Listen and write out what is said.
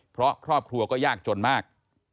เพราะครอบครัวก็ยากจนมาก